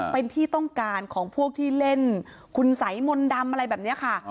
เป็นที่ต้องการของพวกที่เล่นคุณสัยมนต์ดำอะไรแบบนี้ค่ะ